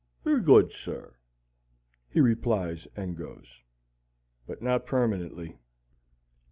"Very good, sir," he replies and goes. But not permanently.